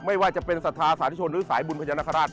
ไม่ว่าจะเป็นศรัทธาสาธุชนหรือสายบุญพญานาคาราช